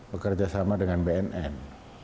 bekerjasama dengan bnn